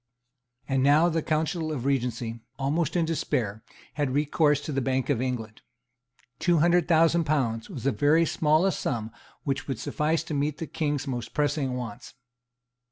And now the Council of Regency, almost in despair, had recourse to the Bank of England. Two hundred thousand pounds was the very smallest sum which would suffice to meet the King's most pressing wants.